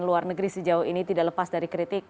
luar negeri sejauh ini tidak lepas dari kritik